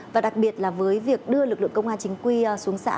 và đặc biệt là với việc đưa lực lượng công an chính quy xuống xã